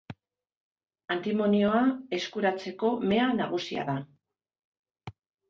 Antimonioa eskuratzeko mea nagusia da.